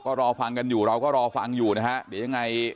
ก็รอฟังกันอยู่เราก็รอฟังอยู่นะฮะเดี๋ยวยังไง